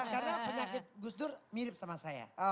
karena penyakit gus dur mirip sama saya